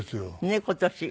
ねっ今年。